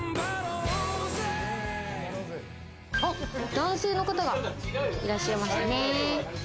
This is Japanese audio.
男性の方がいらっしゃいましたね。